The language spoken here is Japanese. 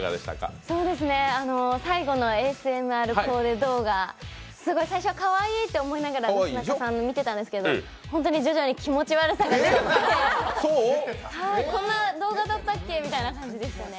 最後のＡＳＭＲコーデ動画、最初、かわいいって思いながらなすなかさんの見てたんですけどホントに徐々に気持ち悪さが出てきてこんな動画だったっけみたいな感じでしたね。